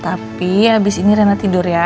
tapi habis ini rena tidur ya